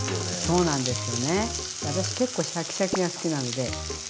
そうなんですよ。